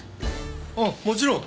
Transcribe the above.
ああもちろん！